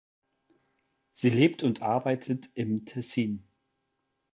Sie lebt und arbeitet im Tessin.